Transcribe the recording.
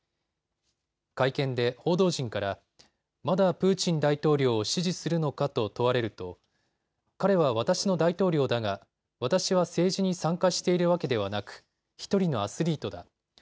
会見で報道陣からまだプーチン大統領を支持するのかと問われると彼は私の大統領だが、私は政治に参加しているわけではなく１人のアスリートだ。